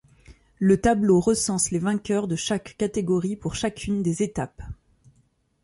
Le tableau recense les vainqueurs de chaque catégorie pour chacune des étapes.